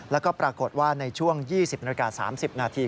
แล้วก็ปรากฏว่าในช่วง๒๐นาฬิกา๓๐นาที